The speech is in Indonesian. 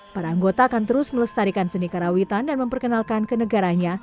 para anggota akan terus melestarikan seni karawitan dan memperkenalkan ke negaranya